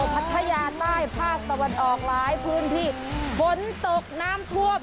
พัทยาใต้ภาคตะวันออกหลายพื้นที่ฝนตกน้ำท่วม